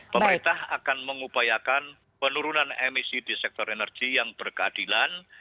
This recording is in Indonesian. pemerintah akan mengupayakan penurunan emisi di sektor energi yang berkeadilan